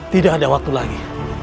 tidak ada waktu lagi